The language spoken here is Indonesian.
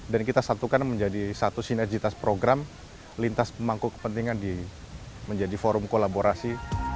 dan kita satukan menjadi satu sinergitas program lintas pemangku kepentingan menjadi forum kolaborasi